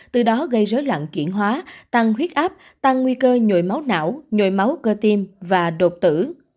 từ đó gây rới lặng chuyển hóa tăng huyết áp tăng nguy cơ nhồi máu não nhồi máu cơ tim và đột tử